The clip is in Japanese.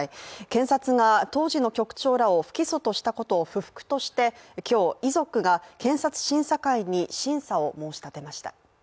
検察が当時の局長らを不起訴としたことを不服として今日遺族が、検察審査会に審査を申し立てました。